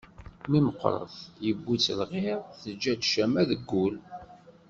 Mi meqqret yewwi-tt lɣir, teǧǧa-d ccama deg ul.